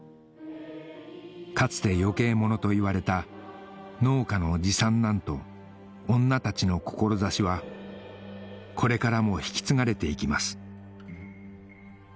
かつて余計者といわれた農家の次三男と女たちの志はこれからも引き継がれていきます